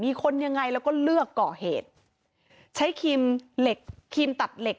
คนยังไงแล้วก็เลือกก่อเหตุใช้ครีมเหล็กครีมตัดเหล็ก